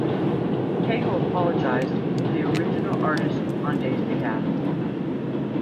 Cagle apologized to the original artist on Day's behalf.